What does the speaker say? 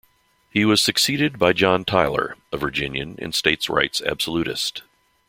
He was succeeded by John Tyler, a Virginian and states' rights absolutist.